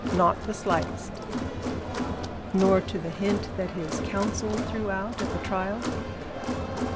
"Not the slightest!" "Nor to the hint that his counsel threw out at the trial?"